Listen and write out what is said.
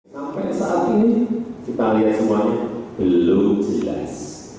sampai saat ini kita lihat semuanya belum jelas